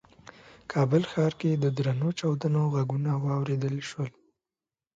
کابل ښار کې د درنو چاودنو غږونه واورېدل شول.